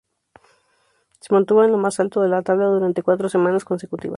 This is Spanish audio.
Se mantuvo en lo más alto de la tabla durante cuatro semanas consecutivas.